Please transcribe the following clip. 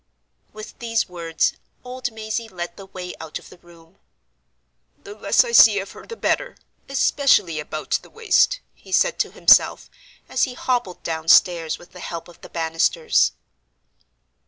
With these words, old Mazey led the way out of the room. "The less I see of her the better—especially about the waist," he said to himself, as he hobbled downstairs with the help of the banisters.